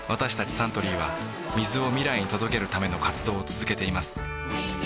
サントリーは水を未来に届けるための活動を続けています